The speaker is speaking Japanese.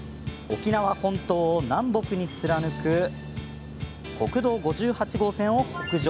沖縄本島を南北に貫く国道５８号線を北上。